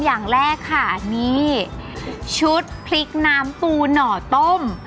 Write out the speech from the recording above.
อย่างแรกค่ะนี่ชุดพริกน้ำปูหน่อต้ม